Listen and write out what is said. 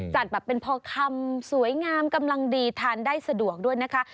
จัดแบบเป็นพอคำสวยงามกำลังดีทานได้สะดวกด้วยนะคะ